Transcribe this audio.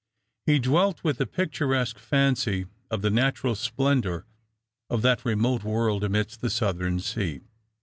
He dwelt with a picturesque fancy on the natural splendour of that remote world amidst the southern sea.